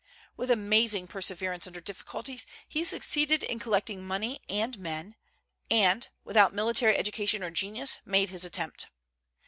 With amazing perseverance under difficulties, he succeeded in collecting money and men, and, without military education or genius, made his attempt.